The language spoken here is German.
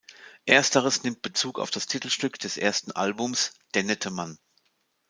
Ersteres nimmt Bezug auf das Titelstück des ersten Albums "Der nette Mann".